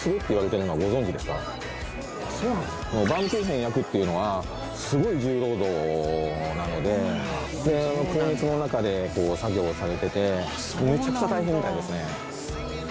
そうなんですかバウムクーヘン焼くっていうのはすごい重労働なので高熱の中でこう作業されててめちゃくちゃ大変みたいですね